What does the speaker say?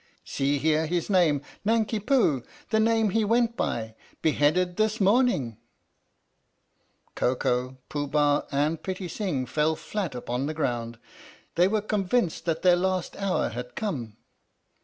"See here his name Nanki Poo the name he went by beheaded this morning !!!' Koko, Pooh Bah and Pitti Sing fell flat upon the ground. They were convinced that their last hour had come.